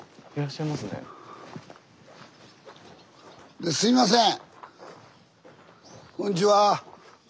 あすいません。